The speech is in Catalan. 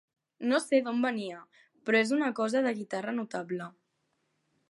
No sé d'on venia, però és una cosa de guitarra notable.